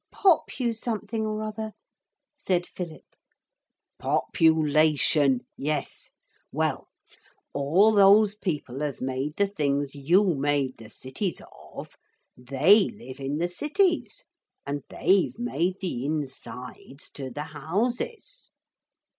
'Pop you something or other,' said Philip. 'Population. Yes. Well, all those people as made the things you made the cities of, they live in the cities and they've made the insides to the houses.'